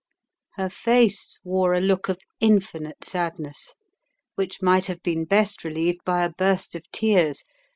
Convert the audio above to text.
Her face wore a look of infinite sadness, which might have been best relieved by a burst of tears.